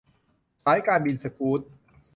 สายการบินสกู๊ต